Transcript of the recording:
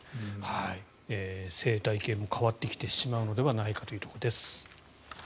生態系も変わってきてしまうのではないかというところです。